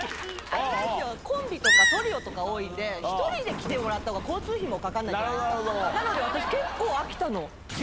ありますよ、コンビとかトリオとか多いんで、１人で来てもらったほうが交通費もかからないじゃないですか。